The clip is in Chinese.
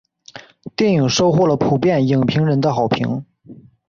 电影收获了普遍影评人的好评。